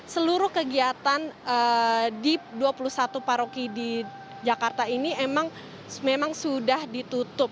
seluruh kegiatan di dua puluh satu paroki di jakarta ini memang sudah ditutup